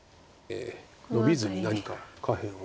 ノビずに何か下辺を。